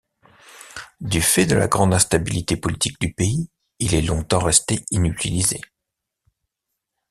Du fait de la grande instabilité politique du pays, il est longtemps resté inutilisé.